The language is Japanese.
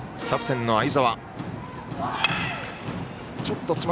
キャプテンの相澤。